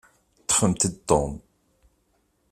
Ṭṭfemt-d Tom.